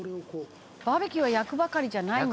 「バーベキューは焼くばかりじゃないんだ」